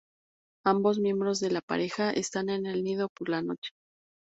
Ambos miembros de la pareja están en el nido por la noche.